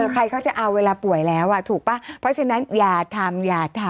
ใครเขาจะเอาเวลาป่วยแล้วถูกป่ะเพราะฉะนั้นอย่าทำอย่าทำ